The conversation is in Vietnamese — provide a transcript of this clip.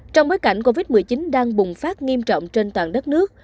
trong bối cảnh covid một mươi chín đang bùng phát nghiêm trọng trên toàn đất nước